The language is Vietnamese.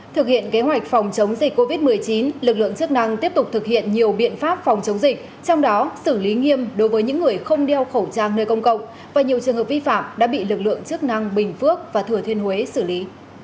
thực hiện kế hoạch phòng chống dịch covid một mươi chín lực lượng chức năng tiếp tục thực hiện nhiều biện pháp phòng chống dịch trong đó xử lý nghiêm đối với những người không đeo khẩu trang nơi công cộng và nhiều trường hợp vi phạm đã bị lực lượng chức năng bình phước và thừa thiên huế xử lý